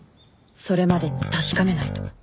それまでに確かめないと